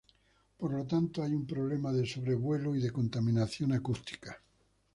Por lo tanto, hay un problema de sobrevuelo y de contaminación acústica.